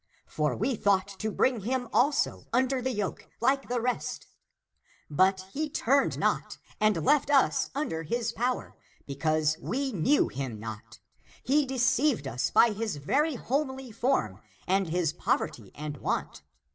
For we thought to bring him also under the yoke, like the rest. But he turned, and left us under his power, because we knew him not. He deceived us by his very homely form and his poverty and want.